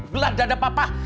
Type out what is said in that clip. belah dada papa